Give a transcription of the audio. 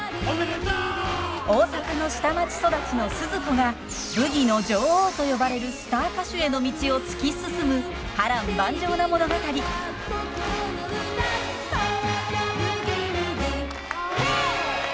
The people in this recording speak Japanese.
大阪の下町育ちのスズ子がブギの女王と呼ばれるスター歌手への道を突き進む波乱万丈な物語。へいっ！